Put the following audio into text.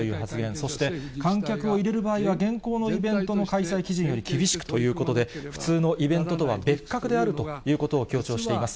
そして観客を入れる場合は現行のイベントの開催基準より厳しくということで、普通のイベントとは別格であるということを強調しています。